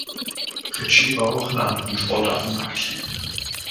Ritchie war auch in anderen Sportarten aktiv.